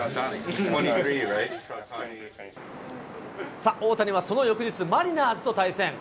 さあ、大谷はその翌日、マリナーズと対戦。